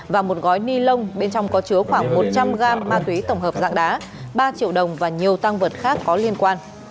và một gói ni lông bên trong có chứa khoảng một trăm linh g ma túy tổng hợp dạng đá ba triệu đồng và nhiều tăng vật khác có liên quan